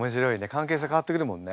関係性変わってくるもんね。